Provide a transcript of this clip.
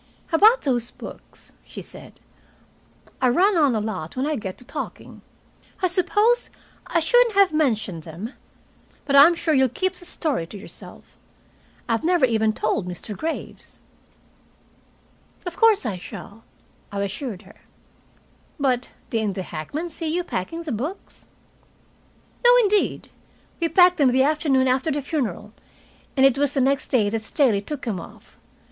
"About those books," she said. "I run on a lot when I get to talking. I suppose I shouldn't have mentioned them. But I'm sure you'll keep the story to yourself. I've never even told Mr. Graves." "Of course I shall," I assured her. "But didn't the hackman see you packing the books?" "No, indeed. We packed them the afternoon after the funeral, and it was the next day that Staley took them off.